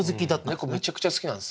めちゃくちゃ好きなんです。